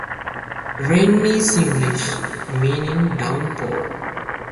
Rain is English, meaning downpour.